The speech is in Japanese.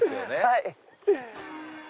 はい。